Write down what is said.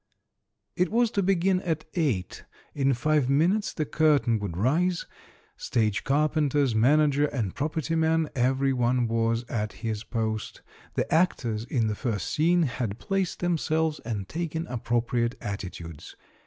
It was to begin at eight. In five minutes the curtain would rise. Stage carpenters, manager, and property man, every one was at his post. The actors in the first scene had placed themselves, and taken appropriate attitudes.